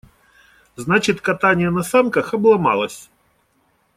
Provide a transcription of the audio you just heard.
Значит, катание на санках «обломалось».